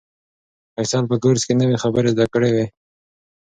فیصل په کورس کې نوې خبرې زده کړې وې.